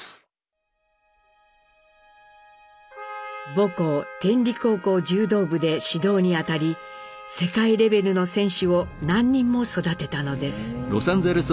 母国天理高校柔道部で指導にあたり世界レベルの選手を何人も育てたのです。